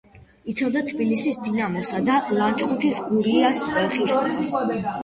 იცავდა თბილისის „დინამოსა“ და ლანჩხუთის „გურიას“ ღირსებას.